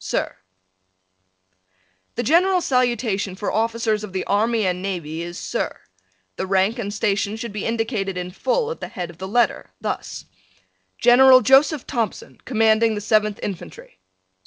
Sir: The general salutation for Officers of the Army and Navy is Sir. The rank and station should be indicated in full at the head of the letter, thus: General Joseph Thompson, Commanding the Seventh Infantry.